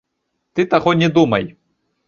Ты таго не думай!